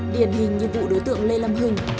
điển hình như vụ đối tượng lê lâm hình